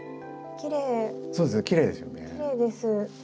きれいです。